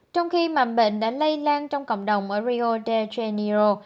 trong khi mạng bệnh đã lây lan trong cộng đồng ở rio de janeiro